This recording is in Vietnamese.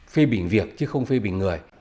phê bình việc chứ không phê bình người